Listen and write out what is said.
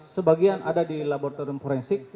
sebagian ada di laboratorium forensik